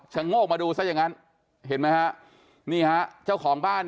ชะโง่มาดูซะอย่างงั้นเห็นมั้ยครับ